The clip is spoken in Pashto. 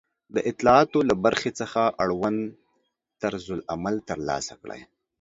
د اطلاعاتو له برخې څخه اړوند طرزالعمل ترلاسه کړئ